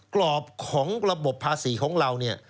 กรอบของระบบภาษีของเราเนี่ย